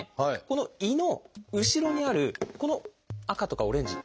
この胃の後ろにあるこの赤とかオレンジ。